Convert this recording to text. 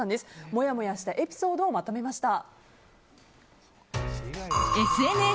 もやもやしたエピソードをまとめました。